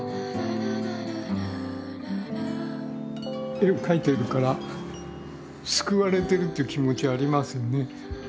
絵を描いてるから救われてるって気持ちはありますよね。